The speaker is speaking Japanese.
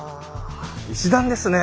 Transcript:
石段ですねえ。